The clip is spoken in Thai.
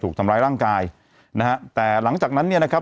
ถูกทำร้ายร่างกายนะฮะแต่หลังจากนั้นเนี่ยนะครับ